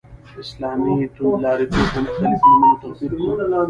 اسلامي توندلاریتوب په مختلفو نومونو توپير کړو.